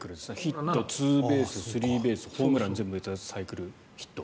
ヒット、ツーベーススリーベース、ホームラン全部打ったらサイクルヒット。